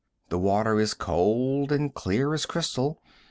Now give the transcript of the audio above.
The water is cold and clear as crystal.